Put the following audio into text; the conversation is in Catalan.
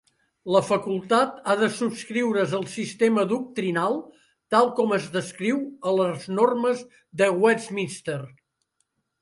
La facultat ha de subscriure's al sistema doctrinal tal com es descriu a les normes de Westminster.